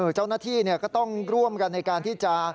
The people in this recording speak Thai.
เจ้าหน้าที่ก็ต้องร่วมกันในการที่จะ